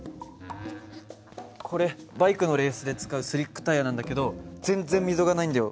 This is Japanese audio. これバイクのレースで使うスリックタイヤなんだけど全然溝がないんだよ。